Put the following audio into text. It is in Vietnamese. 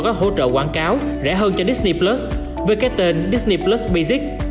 các hỗ trợ quảng cáo rẻ hơn cho disney với cái tên disney plus basic